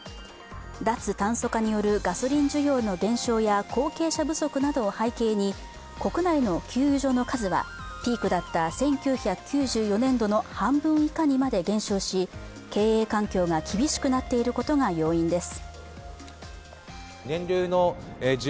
脱炭素化によるガソリン需要の減少や、後継者不足などを背景に国内の給油所の数はピークだった１９９４年度の半分以下にまで減少し経営環境が厳しくなっていることが要因です。